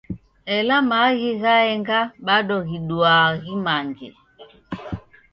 Ela maaghi ghaenga bado ghiduaa ghimange.